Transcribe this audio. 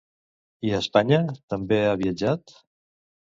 I a Espanya també ha viatjat?